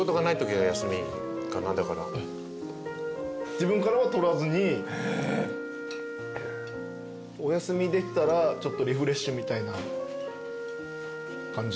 自分からは取らずにお休みできたらちょっとリフレッシュみたいな感じで。